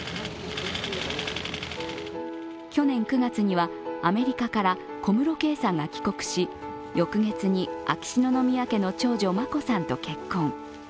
去年９月には、アメリカから小室圭さんが帰国し翌月に秋篠宮家の長女・眞子さまと結婚。